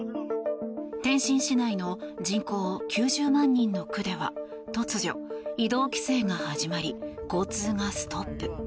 天津市内の人口９０万人の区では突如、移動規制が始まり交通がストップ。